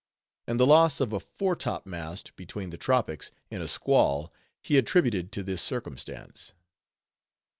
And the loss of a foretopmast, between the tropics, in a squall, he attributed to this circumstance.